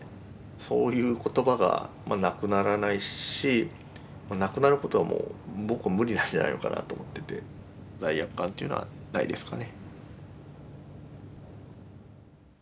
そういう言葉がなくならないしなくなることはもう僕は無理なんじゃないのかなと思ってて罪悪感っていうのはないですかね。